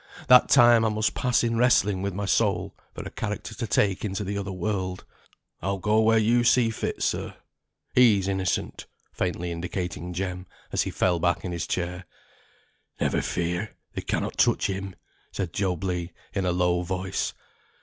That time I must pass in wrestling with my soul for a character to take into the other world. I'll go where you see fit, sir. He's innocent," faintly indicating Jem, as he fell back in his chair. "Never fear! They cannot touch him," said Job Legh, in a low voice.